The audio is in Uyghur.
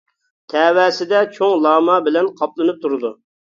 تەۋەسىدە چوڭ لاما بىلەن قاپلىنىپ تۇرىدۇ.